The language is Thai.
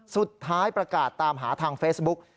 สุดท้ายประกาศตามหาทางเฟซบุลก์